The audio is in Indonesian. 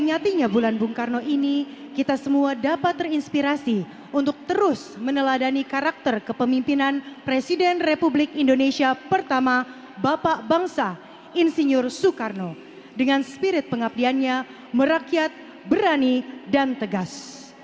nyatinya bulan bung karno ini kita semua dapat terinspirasi untuk terus meneladani karakter kepemimpinan presiden republik indonesia pertama bapak bangsa insinyur soekarno dengan spirit pengabdiannya merakyat berani dan tegas